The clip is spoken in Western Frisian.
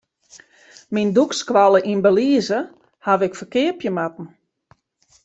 Myn dûkskoalle yn Belize haw ik ferkeapje moatten.